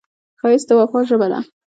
ښایست د وفا ژبه ده